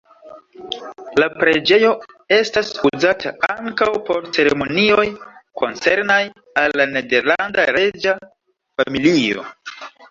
La preĝejo estas uzata ankaŭ por ceremonioj koncernaj al la nederlanda reĝa familio.